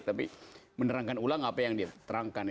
tapi menerangkan ulang apa yang diterangkan